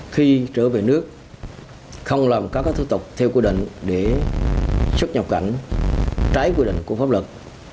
khi trở về nước không làm các thủ tục theo quy định để xuất nhập cảnh trái quy định của pháp luật